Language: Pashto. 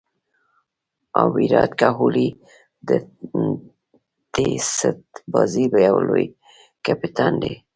ویرات کهولي د ټېسټ بازي یو لوی کپتان دئ.